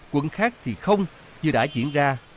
quận khác thì không như đã diễn ra